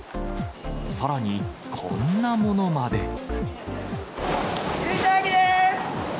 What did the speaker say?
さらにこんなものまで。